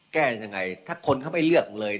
แก้ยังไงถ้าคนเขาไม่เลือกเลย